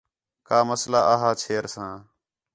کا مسئلہ آ ہا چھیر ساں